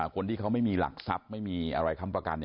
คนที่เขาไม่มีหลักทรัพย์ไม่มีอะไรค้ำประกัน